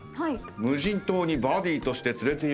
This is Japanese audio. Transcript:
無人島にバディとして連れて行くなら？